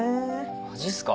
マジっすか？